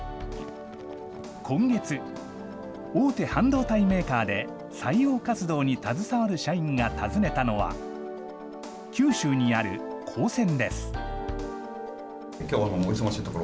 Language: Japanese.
今月、大手半導体メーカーで採用活動に携わる社員が訪ねたのは、きょうはお忙しいところ、